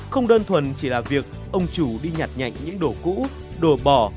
không đơn thuần chỉ là việc ông chủ đi nhặt nhạnh những đồ cũ đồ bỏ